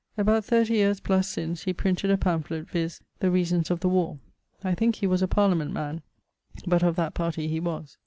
About 30 yeares + since he printed a pamphlet, viz. The reasons of the warre. I thinke he was a parliament man but of that party he was.